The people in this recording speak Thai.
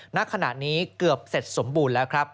ณขณะนี้เกือบเสร็จสมบูรณ์แล้วครับ